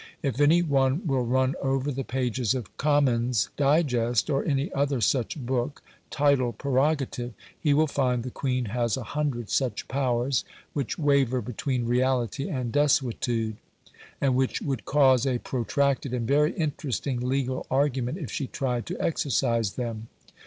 If any one will run over the pages of Comyn's Digest or any other such book, title "Prerogative," he will find the Queen has a hundred such powers which waver between reality and desuetude, and which would cause a protracted and very interesting legal argument if she tried to exercise them.